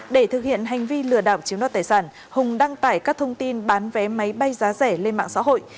để thực hiện hành vi lừa đảo chiếm đoạt tài sản hùng đăng tải các thông tin bán vé máy bay giá rẻ lên mạng xã hội